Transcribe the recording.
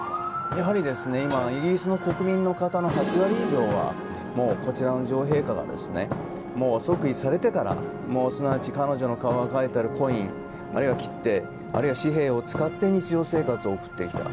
やはり今、イギリスの国民の方の８割以上は女王陛下が即位されてからすなわち彼女の顔が描いてあるコインあるいは切手あるいは紙幣を使って日常生活を送ってきた。